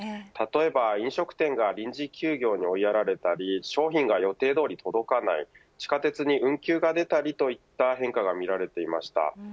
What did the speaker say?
例えば飲食店が臨時休業に追いやられたり商品が予定どおり届かない地下鉄に運休が出たりといった変化が見られていました。